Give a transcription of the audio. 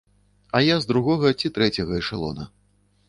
А я з другога ці трэцяга эшалона.